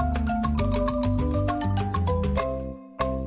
はい。